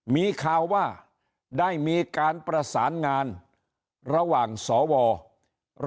มีข่าวว่าได้มีการประสานงานระหว่างสว